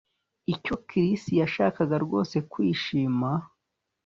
Icyo Chris yashakaga rwose kwishima